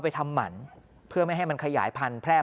เพราะคนที่เป็นห่วงมากก็คุณแม่ครับ